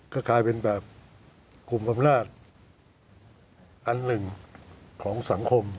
ก็กลายเป็นแบบกลุ่มอำนาจอันหนึ่งของสังคม